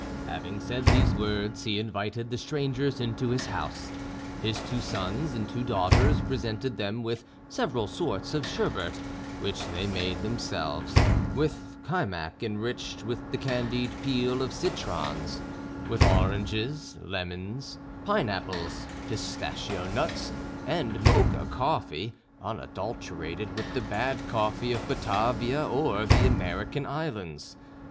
Having said these words, he invited the strangers into his house; his two sons and two daughters presented them with several sorts of sherbet, which they made themselves, with Kaimak enriched with the candied peel of citrons, with oranges, lemons, pine apples, pistachio nuts, and Mocha coffee unadulterated with the bad coffee of Batavia or the American islands.